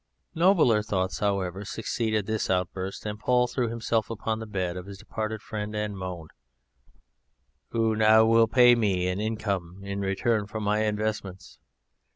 Nobler thoughts, however, succeeded this outburst, and Paul threw himself upon the bed of his Departed Friend and moaned. "Who now will pay me an income in return for my investments?